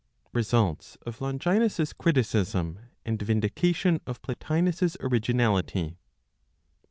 RESULTS OF LONGINUS'S CRITICISM AND VINDICATION OF PLOTINOS'S ORIGINALITY.